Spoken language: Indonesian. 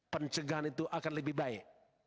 pencegahan itu akan lebih baik